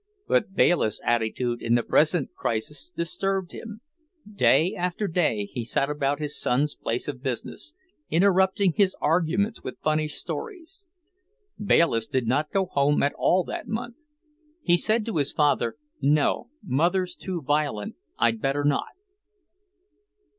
But Bayliss' attitude in the present crisis disturbed him. Day after day he sat about his son's place of business, interrupting his arguments with funny stories. Bayliss did not go home at all that month. He said to his father, "No, Mother's too violent. I'd better not."